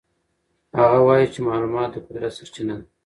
هغه وایي چې معلومات د قدرت سرچینه ده.